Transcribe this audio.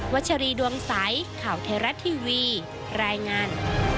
วัชรีดวงสัยข่าวแทรรัสทีวีรายงาน